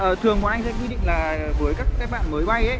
ờ thường bọn anh sẽ quy định là với các bạn mới bay ấy